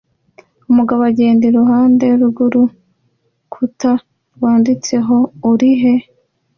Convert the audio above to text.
Umugabo agenda iruhande rw'urukuta rwanditseho "urihe?"